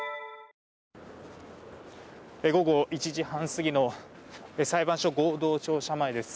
午後１時半過ぎの裁判所合同庁舎前です。